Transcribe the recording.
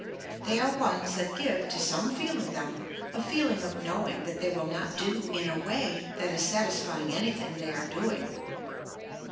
They are ones that give to some feeling them a feeling of knowing that they will not do in a way that is satisfying anything they are doing.